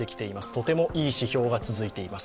とてもいい指標が続いています。